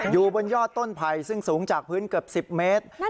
อยู่บนยอดต้นไผ่ซึ่งสูงจากพื้นเกือบ๑๐เมตร